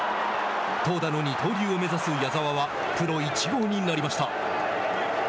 投打の二刀流を目指す矢澤はプロ１号になりました。